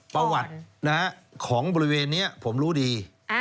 ประวัติของบริเวณนี้ผมรู้ดี